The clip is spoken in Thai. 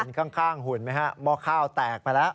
ข้างหุ่นไหมฮะหม้อข้าวแตกไปแล้ว